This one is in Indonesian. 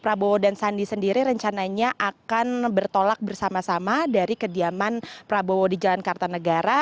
prabowo dan sandi sendiri rencananya akan bertolak bersama sama dari kediaman prabowo di jalan kartanegara